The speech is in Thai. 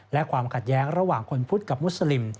และความขัดแย้งระหว่างคนพุทธกับมุสลิม